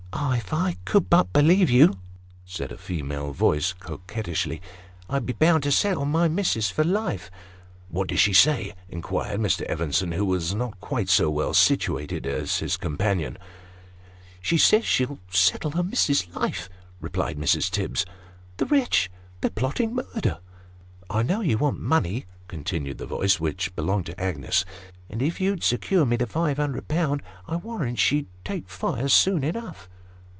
" Ah ! if I could but believe you," said a female voice coquettishly, " I'd be bound to settle my missis for life." " What does she say ?" inquired Mr. Evenson, who was not quite so well situated as his companion, General Bewilderment. 231 " She says she'll settle her missis's life," replied Mrs. Tibbs. " The wretch ! they're plotting murder." " I know you want money," continued the voice, which belonged to Agnes ;" and if you'd secure me the five hundred pound, I warrant she should take fire soon enough."